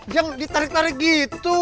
jangan ditarik tarik gitu